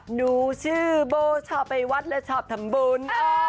หนูชื่อโบชอบไปวัดและชอบทำบุญ